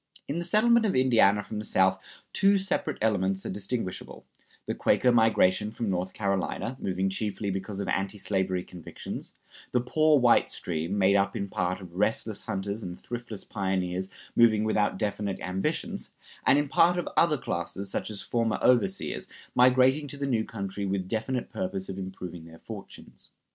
In the settlement of Indiana from the South two separate elements are distinguishable: the Quaker migration from North Carolina, moving chiefly because of anti slavery convictions; the "poor white" stream, made up in part of restless hunters and thriftless pioneers moving without definite ambitions, and in part of other classes, such as former overseers, migrating to the new country with definite purpose of improving their fortunes.